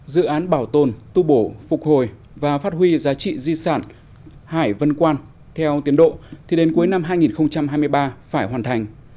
dự án bảo tồn tu bổ phục hồi và phát huy giá trị di sản hải vân quan theo tiến độ thì đến cuối năm hai nghìn hai mươi ba phải hoàn thành